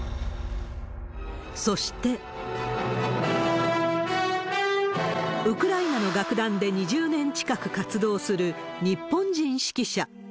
そして、ウクライナの楽団で２０年近く活動する、日本人指揮者。